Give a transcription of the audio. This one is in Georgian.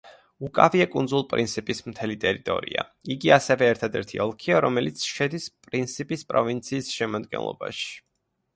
უკავია კუნძულ პრინსიპის მთელი ტერიტორია, იგი ასევე ერთადერთი ოლქია, რომელიც შედის პრინსიპის პროვინციის შემადგენლობაში.